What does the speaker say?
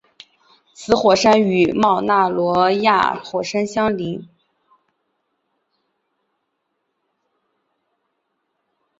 此火山与冒纳罗亚火山相邻。